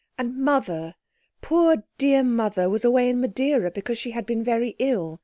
And Mother, poor dear Mother, was away in Madeira, because she had been very ill.